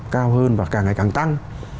cao hơn và càng ngày càng tăng